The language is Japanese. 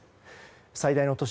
最大の都市